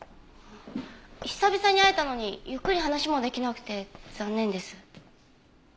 久々に会えたのにゆっくり話もできなくて残念です。